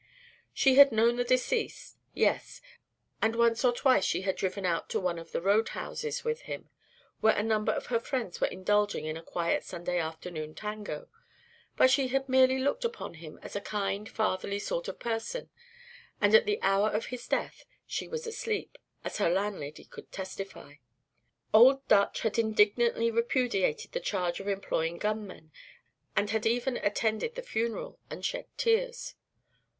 She had known the deceased, yes, and once or twice she had driven out to one of the roadhouses with him, where a number of her friends were indulging in a quiet Sunday afternoon tango, but she had merely looked upon him as a kind fatherly sort of person; and at the hour of his death she was asleep, as her landlady could testify. Old Dutch had indignantly repudiated the charge of employing gunmen, and had even attended the funeral and shed tears.